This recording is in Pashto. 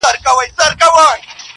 جارچي خوله وه سمه كړې و اعلان ته-